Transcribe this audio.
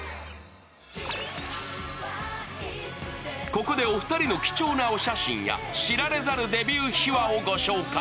ここでお二人の貴重なお写真や知られざるデビュー秘話をご紹介。